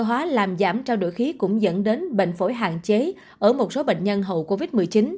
hóa làm giảm trao đổi khí cũng dẫn đến bệnh phổi hạn chế ở một số bệnh nhân hậu covid một mươi chín